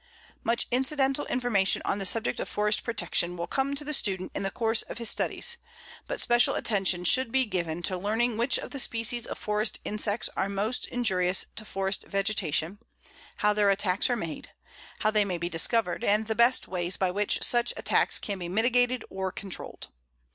Much incidental information on the subject of forest protection will come to the student in the course of his studies, but special attention should be given to learning which of the species of forest insects are most injurious to forest vegetation, how their attacks are made, how they may be discovered, and the best ways by which such attacks can be mitigated or controlled.